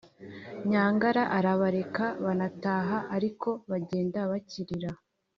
nyangara arabareka banataha ariko bagenda bakirira